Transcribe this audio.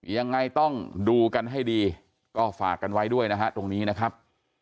ยังไงต้องดูกันให้ดีก็ฝากกันไว้ด้วยนะฮะตรงนี้นะครับ